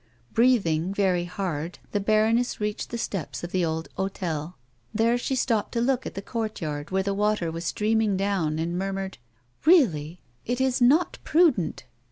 Breathing very hard, the baroness reached the steps of the old h6tel ; there she stopped to look at the court yard where the water was streaming down, and murmured :" Really, it is not prudent."